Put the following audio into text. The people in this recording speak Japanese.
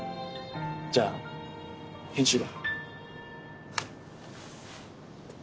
じゃあ編集だ。